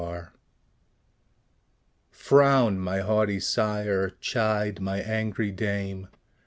Frown, my haughty sire! chide, my angry dame!